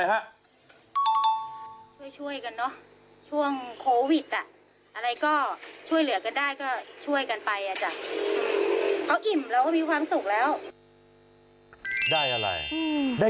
ช่วยกันเนอะช่วงโควิดอะไรก็ช่วยเหลือก็ได้